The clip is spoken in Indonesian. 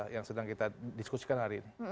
yang sedang kita diskusikan hari ini